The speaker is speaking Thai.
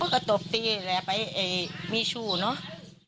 ก็ตกตีแล้วไปมีชู้เนาะ